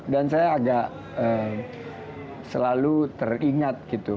dan saya agak selalu teringat gitu